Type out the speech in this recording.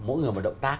mỗi người một động tác